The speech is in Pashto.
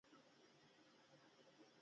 د هغه رنګ سور واوښت.